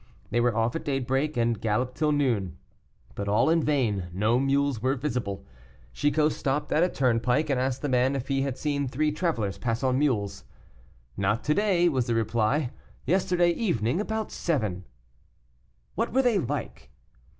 They were off at daybreak and galloped till noon, but all in vain; no mules were visible. Chicot stopped at a turnpike, and asked the man if he had seen three travelers pass on mules. "Not to day," was the reply, "yesterday evening about seven." "What were they like?"